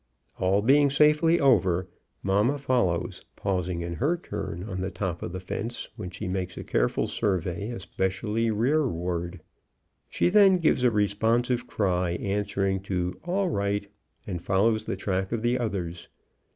All being safely over, mamma follows, pausing in her turn on the top of the fence, when she makes a careful survey, especially rearward. She then gives a responsive cry, answering to "All right!" and follows the track of the others.